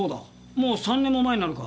もう３年も前になるか